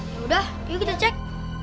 yaudah yuk kita cek